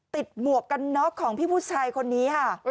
หมวกกันน็อกของพี่ผู้ชายคนนี้ค่ะ